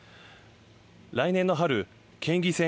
来年の春県議選